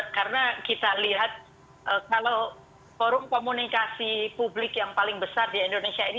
karena kita lihat kalau forum komunikasi publik yang paling besar di indonesia ini